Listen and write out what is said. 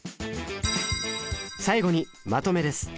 最後にまとめです